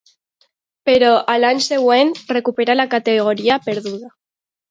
Però, a l'any següent recupera la categoria perduda.